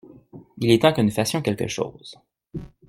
Il est temps que nous fassions quelque chose.